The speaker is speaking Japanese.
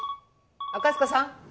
赤塚さん！